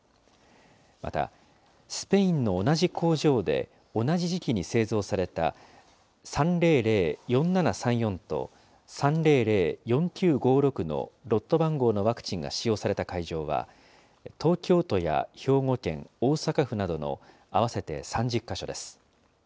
また、スペインの同じ工場で、同じ時期に製造された３００４７３４と、３００４９５６のロット番号のワクチンが使用された会場は、東京都や兵庫県、大阪府などの合わせて３０か所です。